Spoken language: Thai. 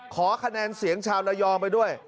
ขอคะแนนเสียงชาวระยองไปด้วย